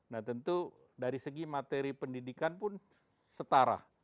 nah tentu dari segi materi pendidikan pun setara